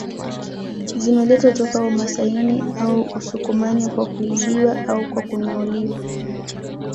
Zimeletwa toka umasaini au usukumani kwa kuibiwa au kwa kununuliwa